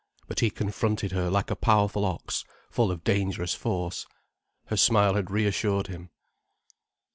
But he confronted her like a powerful ox, full of dangerous force. Her smile had reassured him.